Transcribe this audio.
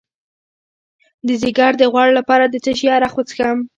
د ځیګر د غوړ لپاره د څه شي عرق وڅښم؟